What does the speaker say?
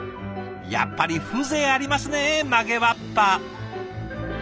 やっぱり風情ありますね曲げわっぱ。